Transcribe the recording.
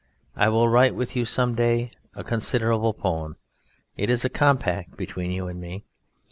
I will write with you some day a considerable poem; it is a compact between you and me.